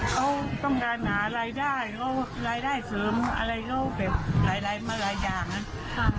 เขาต้องการหารายได้เขารายได้เสริมอะไรเขาแบบหลายมาหลายอย่างนะ